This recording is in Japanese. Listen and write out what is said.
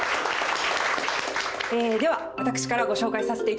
では私からご紹介させていただきます。